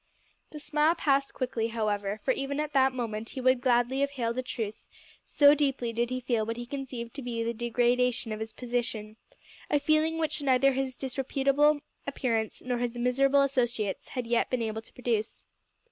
The smile passed quickly, however, for even at that moment he would gladly have hailed a truce, so deeply did he feel what he conceived to be the degradation of his position a feeling which neither his disreputable appearance nor his miserable associates had yet been able to produce.